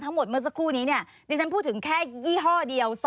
เมื่อสักครู่นี้เนี่ยดิฉันพูดถึงแค่ยี่ห้อเดียว